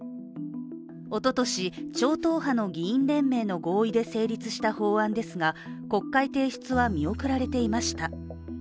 おととし超党派の議員連盟の合意で成立した法案ですが国会提出は見送られていました。